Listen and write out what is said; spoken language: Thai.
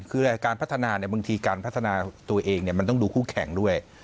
คือการพัฒนาบางทีการพัฒนาตัวเองมันต้องดูคู่แข่งด้วย